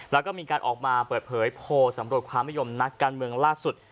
แล้วก็มีการออกมาเปิดเผยโพลสำรวจความนิยมนักการเมืองล่าสุด